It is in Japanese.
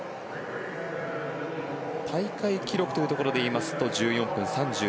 大会記録というところで言いますと１４分３４秒１４。